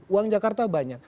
uang jakarta banyak